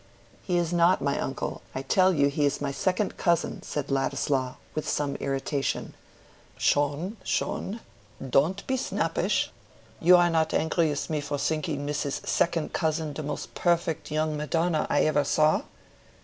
"He is not my uncle. I tell you he is my second cousin," said Ladislaw, with some irritation. "Schön, schön. Don't be snappish. You are not angry with me for thinking Mrs. Second Cousin the most perfect young Madonna I ever saw?"